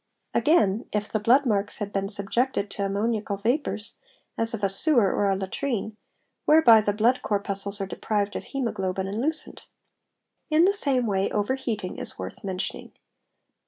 Again, if the blood marks had been subjected to ammoniacal vapours, as of a sewer or latrine, whereby the blood corpuscles are deprived of hemoglobin and loosened", In the same way over heating is worth mentioning.